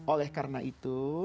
oleh karena itu